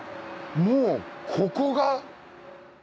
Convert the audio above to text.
もうここが？